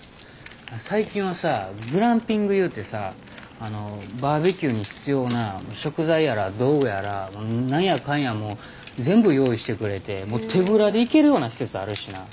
最近はさグランピングいうてさあのバーベキューに必要な食材やら道具やらなんやかんやもう全部用意してくれてもう手ぶらで行けるような施設あるしな